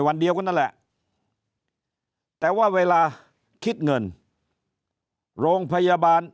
วันเดียวกันนั่นแหละแต่ว่าเวลาคิดเงินโรงพยาบาล